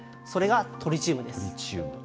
それがトリチウムです。